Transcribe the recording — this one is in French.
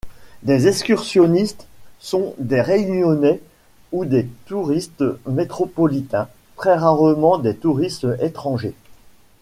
Les excursionnistes sont des Réunionnais, ou des touristes métropolitains, très rarement des touristes étrangers.